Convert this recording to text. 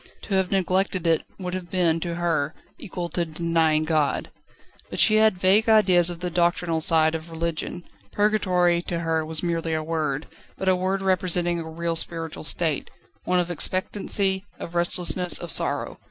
To have neglected it would have been, to her, equal to denying God. She had but vague ideas of the doctrinal side of religion. Purgatory was to her merely a word, but a word representing a real spiritual state one of expectancy, of restlessness, of sorrow.